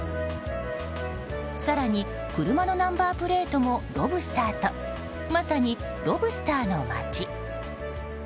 更に、車のナンバープレートもロブスターとまさに、ロブスターの町。